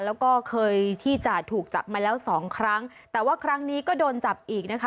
แล้วก็เคยที่จะถูกจับมาแล้วสองครั้งแต่ว่าครั้งนี้ก็โดนจับอีกนะคะ